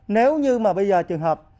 nếu như mà bây giờ trường hợp